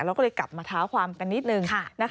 เราก็เลยกลับมาท้าความกันนิดนึง